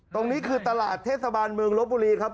ตรงนี้คือตลาดเทศบาลเมืองลบบุรีครับ